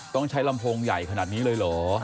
ต้องใช้ลำโพงใหญ่ขนาดนี้เลยเหรอ